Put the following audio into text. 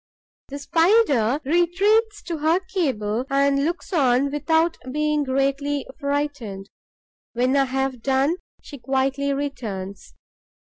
The Spider retreats to her cable and looks on without being greatly frightened. When I have done, she quietly returns.